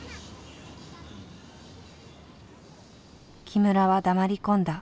木村は黙り込んだ。